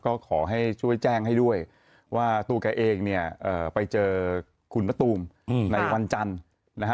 ก็ขอให้ช่วยแจ้งให้ด้วยว่าตัวแกเองเนี่ยไปเจอคุณมะตูมในวันจันทร์นะฮะ